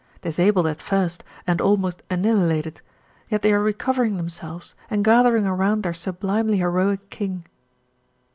Disabled at first and almost annihilated, yet they are recovering themselves and gathering around their sublimely heroic king.